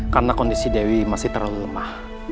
karena kondisi dewi masih terlalu lemah